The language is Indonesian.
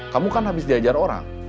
kamu kan habis diajar orang